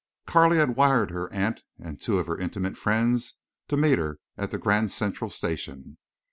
Carley had wired her aunt and two of her intimate friends to meet her at the Grand Central Station.